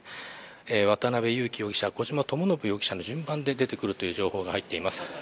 渡辺優樹容疑者、小島智信容疑者の順番で出てくるという情報が入っています。